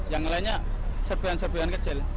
yang lainnya serpian serbuan kecil